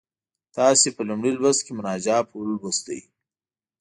تاسې په لومړي لوست کې مناجات ولوست.